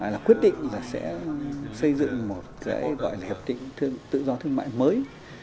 là quyết định là sẽ xây dựng một cái gọi là hiệp định tự do thương mại mới